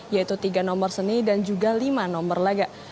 yaitu tiga nomor seni dan juga lima nomor laga